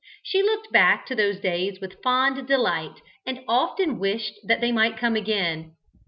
She looked back to those days with fond delight, and often wished that they might come again.